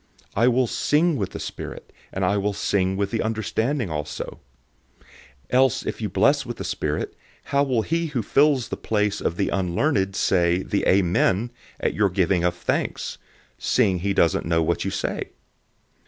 I will sing with the spirit, and I will sing with the understanding also. 014:016 Otherwise if you bless with the spirit, how will he who fills the place of the unlearned say the "Amen" at your giving of thanks, seeing he doesn't know what you say?